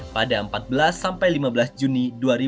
pada empat belas sampai lima belas juni dua ribu dua puluh